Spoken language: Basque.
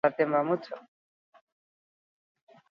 Gure taldeko guztiak onik atera dira.